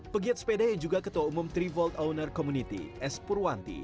pegiat sepeda yang juga ketua umum trivolt owner community s purwanti